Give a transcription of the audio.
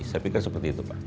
saya pikir seperti itu pak